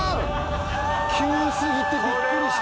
急過ぎてびっくりした。